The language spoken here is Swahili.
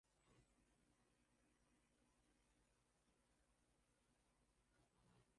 nguo usindikaji wa chakula autos umeme madini chuma